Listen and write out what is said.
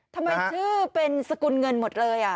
ทำไมชื่อเป็นสกุลเงินหมดเลย